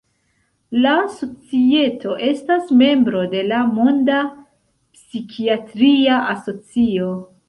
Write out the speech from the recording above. La Societo estas membro de la Monda Psikiatria Asocio.